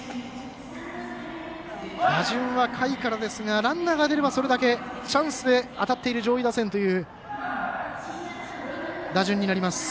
打順は下位からですがランナーが出ればそれだけチャンスであたっている上位打線という打順になります。